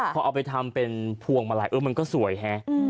พอเอาไปทำเป็นพวงมาลัยเออมันก็สวยฮะ